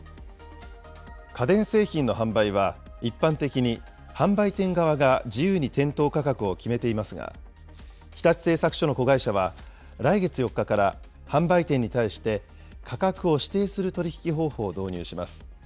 家電製品の販売は、一般的に販売店側が自由に店頭価格を決めていますが、日立製作所の子会社は、来月４日から販売店に対して、価格を指定する取り引き方法を導入します。